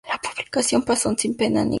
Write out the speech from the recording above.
La publicación pasó sin pena ni gloria.